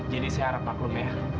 jadi saya harap maklum ya